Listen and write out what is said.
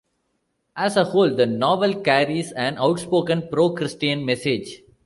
As a whole, the novel carries an outspoken pro-Christian message.